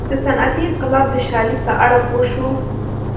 د صنعتي انقلاب د شالید په اړه پوه شو.